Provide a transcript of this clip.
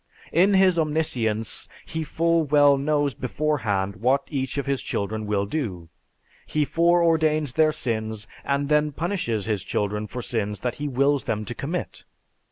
In his omniscience he full well knows beforehand what each of his children will do. He foreordains their sins and then punishes his children for sins that he wills them to commit.